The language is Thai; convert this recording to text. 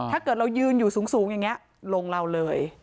ถ้าเกิดเรายืนอยู่สูงอย่างนี้ลงเราเลย